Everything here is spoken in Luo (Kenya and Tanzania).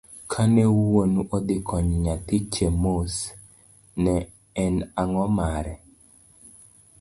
Kane wuonu odhi konyo nyathi Chemos, ne en ango' mare?